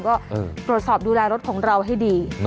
ก็ตรวจสอบดูแลรถของเราให้ดี